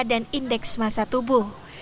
dan indeks masa tubuh